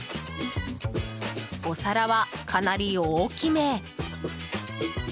お皿は、かなり大きめ。